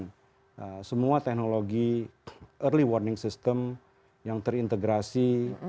dengan semua teknologi early warning system yang terintegrasi